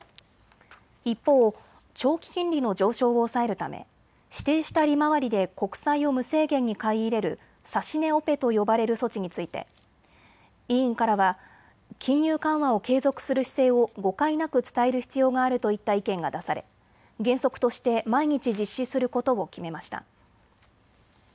一方、長期金利の上昇を抑えるため、指定した利回りで国債を無制限に買い入れる指値オペと呼ばれる措置について委員からは金融緩和を継続する姿勢を誤解なく伝える必要があるといった意見が出され原則として毎日実施することを決めました。